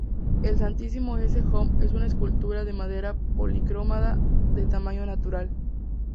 El Santísimo Ecce Homo es una escultura de madera policromada, de tamaño natural.